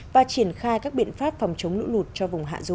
và triển khai các biện pháp phòng chống lũ lụt cho vùng hạ du